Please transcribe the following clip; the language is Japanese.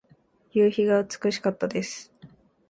夕日が美しかったです。